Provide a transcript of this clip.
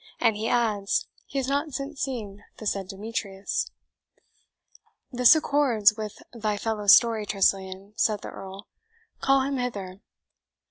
"And he adds, he has not since seen the said Demetrius." "This accords with thy fellow's story, Tressilian," said the Earl; "call him hither."